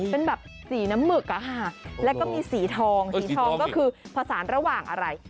เป็นแบบสีน้ำหมึกอะค่ะแล้วก็มีสีทองสีทองก็คือผสานระหว่างอะไร